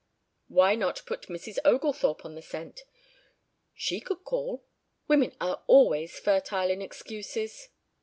"Why not put Mrs. Oglethorpe on the scent? She could call. Women are always fertile in excuses."